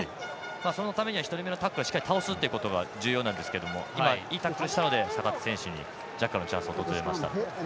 そのためには１人目のタックルはしっかり倒すということが重要なんですけど今、いいタックルしたのでチャンスが訪れました。